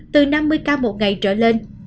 từ năm mươi ca một ngày trở lên